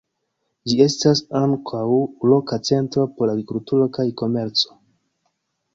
Ĝi estas ankaŭ loka centro por agrikulturo kaj komerco.